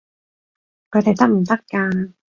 佢哋得唔得㗎？